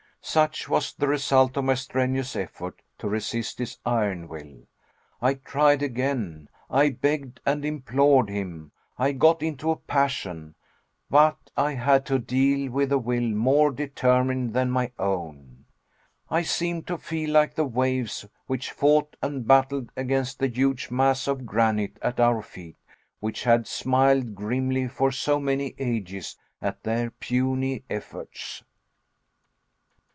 Such was the result of my strenuous effort to resist his iron will. I tried again; I begged and implored him; I got into a passion; but I had to deal with a will more determined than my own. I seemed to feel like the waves which fought and battled against the huge mass of granite at our feet, which had smiled grimly for so many ages at their puny efforts.